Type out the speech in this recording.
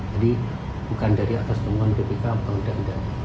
jadi bukan dari atas temuan bpk bangda dan